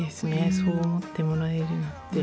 そう思ってもらえるなんて。